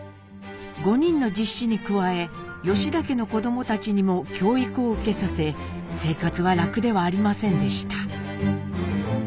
５人の実子に加え吉田家の子どもたちにも教育を受けさせ生活は楽ではありませんでした。